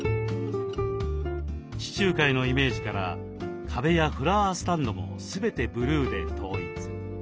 地中海のイメージから壁やフラワースタンドも全てブルーで統一。